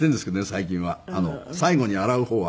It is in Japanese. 最近は最後に洗う方は。